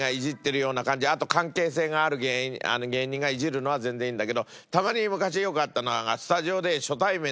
あと関係性がある芸人がイジるのは全然いいんだけどたまに昔よくあったのは。